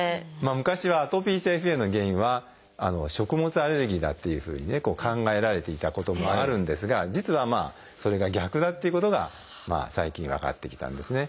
昔はアトピー性皮膚炎の原因は食物アレルギーだっていうふうにね考えられていたこともあるんですが実はそれが逆だっていうことが最近分かってきたんですね。